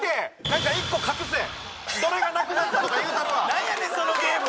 なんやねんそのゲーム！